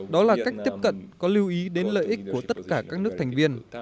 đó là cách tiếp cận có lưu ý đến lợi ích của tất cả các nước thành viên